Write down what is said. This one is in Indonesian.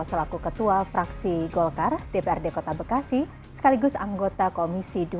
selaku ketua fraksi golkar dprd kota bekasi sekaligus anggota komisi dua